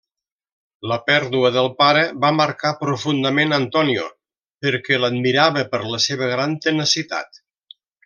La pèrdua del pare va marcar profundament Antonio, perquè l'admirava per la seva gran tenacitat.